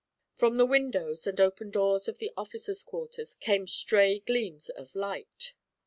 From the windows and open doors of the officers' quarters came stray gleams of light.